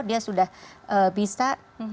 dia sudah bisa